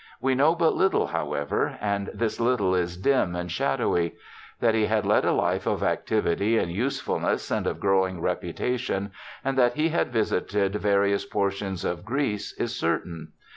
We know but little, however, and this little is dim and shadowy. That he had led a life of activity and usefulness, and of growing reputation, and that he had visited various portions of Greece, is certain.